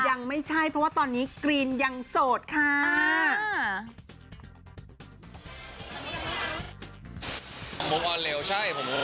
ยังไม่ใช่เพราะว่าตอนนี้กรีนยังโสดค่ะ